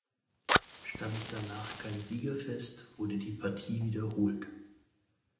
Stand danach kein Sieger fest wurde die Partie wiederholt.